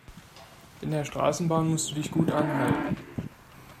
In der Straßenbahn musst du dich gut anhalten.